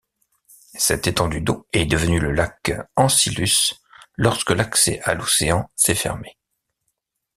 Cette étendue d'eau est devenue le lac Ancylus lorsque l'accès à l'océan s'est fermé.